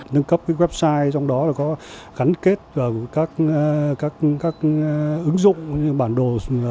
nâng cấp website trong đó có gắn kết các ứng dụng bản đồ